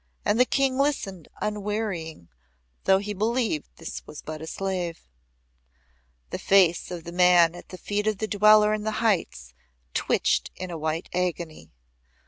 And the King listened unwearying though he believed this was but a slave. (The face of the man at the feet of the Dweller in the Heights twitched in a white agony.